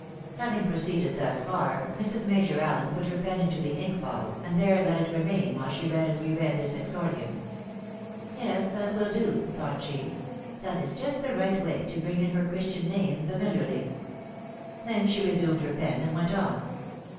Having proceeded thus far, Mrs. Major Allen put her pen into the ink bottle, and there let it remain while she read and re read this exordium. " Yes, that wOl do," thought she, " that is just the right way to bring in her Christian name familiarly." She then resumed her pen and went on.